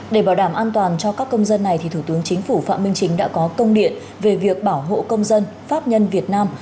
để bảo đảm an toàn cho các công dân này thủ tướng chính phủ phạm minh chính đã có công điện về việc bảo hộ công dân pháp nhân việt nam